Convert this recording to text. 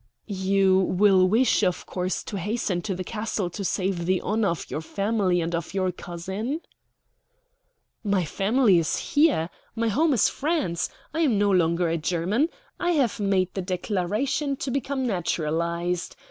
"You will wish, of course, to hasten to the castle to save the honor of your family and of your cousin?" "My family is here. My home is France. I am no longer a German. I have made the declaration to become naturalized.